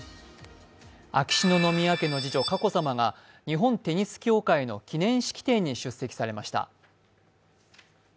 秋篠宮家の次女・佳子さまが日本テニス協会の記念式典に出席されました。